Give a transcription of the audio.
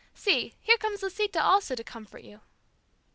See, here comes Lisita also to comfort you."